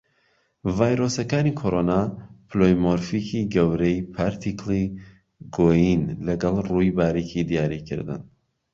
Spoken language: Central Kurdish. ڤایرۆسەکانی کۆڕۆنا پلۆیمۆرفیکی گەورەی پارتیکڵی گۆیین لەگەڵ ڕووی باریکی دیاریکردن.